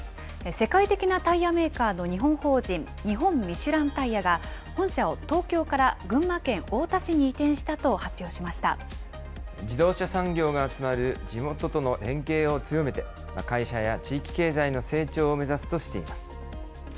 世界的なタイヤメーカーの日本法人日本ミシュランタイヤが、本社を東京から群馬県太田市に移転し自動車産業が集まる地元との連携を強めて、会社や地域経済の成長を目指すとしています。